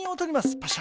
パシャ。